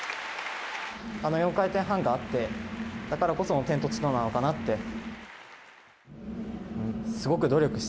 あの４回転半があって、だからこその天と地となのかなって。